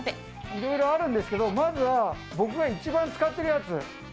いろいろあるんですけど、まずは僕が一番使っているやつ。